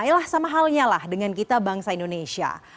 eh lah sama halnya lah dengan kita bangsa indonesia